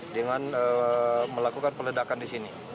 dengan melakukan peledakan